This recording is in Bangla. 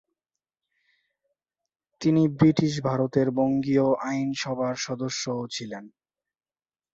তিনি ব্রিটিশ ভারতের বঙ্গীয় আইন সভার সদস্যও ছিলেন।